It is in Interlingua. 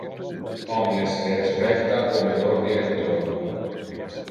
Omnes le respecta como lor director.